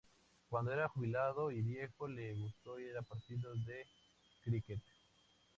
Cuando era jubilado y viejo, le gustó ir a partidos de críquet.